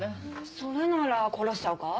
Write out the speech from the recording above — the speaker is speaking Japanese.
それなら殺しちゃうか？